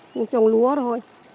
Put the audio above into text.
cũng trồng lúa thôi